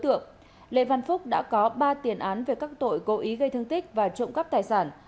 tượng lê văn phúc đã có ba tiền án về các tội cố ý gây thương tích và trộm cắp tài sản